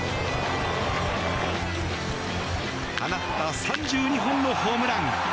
放った３２本のホームラン。